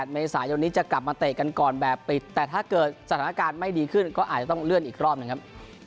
เมษายนนี้จะกลับมาเตะกันก่อนแบบปิดแต่ถ้าเกิดสถานการณ์ไม่ดีขึ้นก็อาจจะต้องเลื่อนอีกรอบหนึ่งครับ